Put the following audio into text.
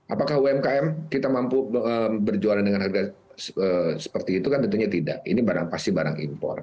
apakah umkm kita mampu berjualan dengan harga seperti itu kan tentunya tidak ini barang pasti barang impor